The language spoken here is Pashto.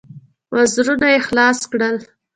وزرونه يې خلاص کړل.